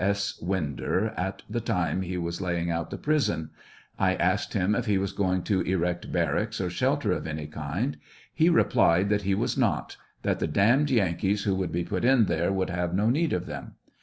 S. Winder : at the time he was laying out the prison. «»» I asked him if he was going to erect barracks or shelter of any kind ; he replied that he was not, that the damned Yankees who would be put in there would have no need of them.